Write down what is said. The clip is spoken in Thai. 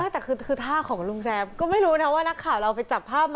แต่คือท่าของลุงแซมก็ไม่รู้นะว่านักข่าวเราไปจับภาพมา